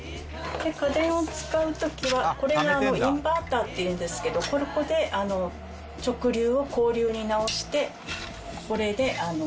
で家電を使う時はこれがインバーターっていうんですけどここで直流を交流に直してこれで家電を使います。